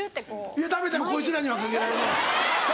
いや駄目駄目こいつらにはかけられない。